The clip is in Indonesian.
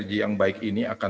dan dikurangkan ke gch aheadouan